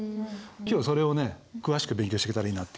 今日はそれをね詳しく勉強していけたらいいなって。